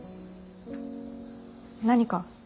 何か？